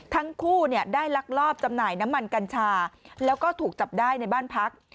ทั้งคู่ได้ลักลอบจำหน่ายน้ำมันกัญชาแล้วก็ถูกจับได้ในบ้านพัก